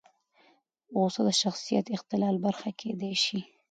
غوسه د شخصیت اختلال برخه کېدای شي.